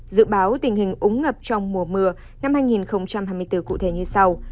dự báo tình hình úng ngập trong mùa mưa năm hai nghìn hai mươi bốn cụ thể như sau